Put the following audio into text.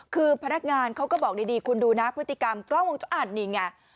คือพนักงานเขาก็บอกดีคุณดูนะพฤติกรรมกล้องวงจรนี่ไง